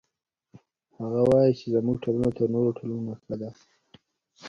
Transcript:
هغه وایي چې زموږ ټولنه تر نورو ټولنو ښه ده